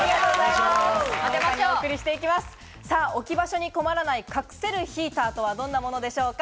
置き場所に困らない隠せるヒーターとはどんなものでしょうか？